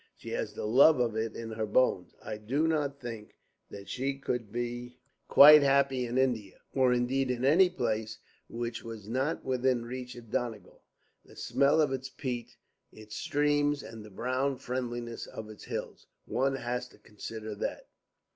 She has the love of it in her bones. I do not think that she could be quite happy in India, or indeed in any place which was not within reach of Donegal, the smell of its peat, its streams, and the brown friendliness of its hills. One has to consider that."